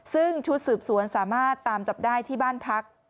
ซึ่งชุดสืบสวนสามารถตามจับได้ที่บ้านพัก